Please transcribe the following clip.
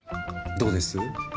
どうです？